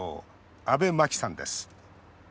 阿部真紀さんです。